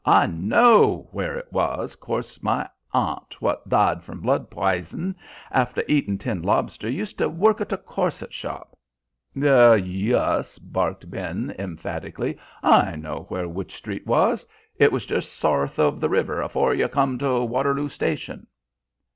I know where it was, 'cors my aunt what died from blood p'ison, after eatin' tinned lobster, used to work at a corset shop " "Yus," barked Ben, emphatically. "I know where Wych Street was it was just sarth of the river, afore yer come to Waterloo Station."